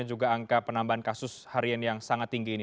dan juga angka penambahan kasus harian yang sangat tinggi ini